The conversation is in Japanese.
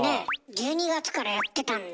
１２月からやってたんだ。